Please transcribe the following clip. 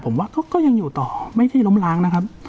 ผมว่าก็ยังอยู่ต่อไม่ใช่ล้มล้างนะครับ